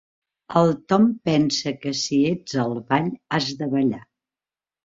El Tom pensa que si ets al ball has de ballar.